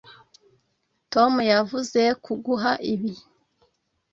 Tom yavuze kuguha ibi